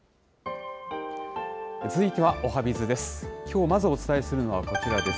続いてはおはＢｉｚです。